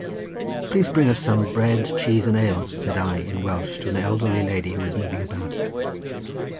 "Please to bring us some bread, cheese and ale," said I in Welsh to an elderly woman, who was moving about.